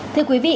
thưa quý vị